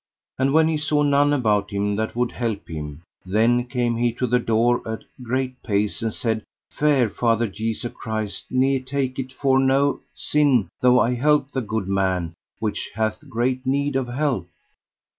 And when he saw none about him that would help him, then came he to the door a great pace, and said: Fair Father Jesu Christ, ne take it for no sin though I help the good man which hath great need of help.